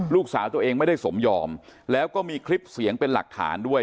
ลูกสาวตัวเองไม่ได้สมยอมแล้วก็มีคลิปเสียงเป็นหลักฐานด้วย